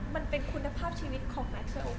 มันเป็นคุณภาพชีวิตของแม็กโซโอ